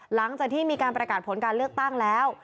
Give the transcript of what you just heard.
หลังจากที่มีการประกาศผลการเลือกตั้งแล้ว